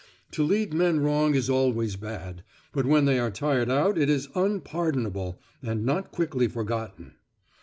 To lead men wrong is always bad; but when they are tired out it is unpardonable, and not quickly forgotten.